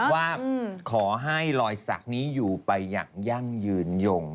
ว่าขอให้รอยสักนี้อยู่ไปอย่างยั่งยืนยง